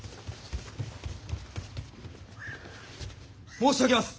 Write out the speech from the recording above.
申し上げます。